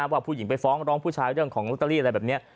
ว่าผู้หญิงไปฟ้องร้องผู้ชายเรื่องของลอตเตอรี่อะไรแบบนี้